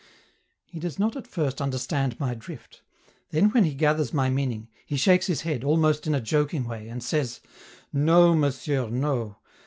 He does not, at first, understand my drift; then when he gathers my meaning, he shakes his head almost in a joking way, and says: "No, Monsieur, no!